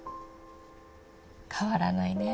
変わらないね。